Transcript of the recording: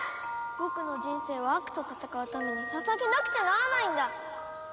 僕の人生は悪と戦うために捧げなくちゃならないんだ！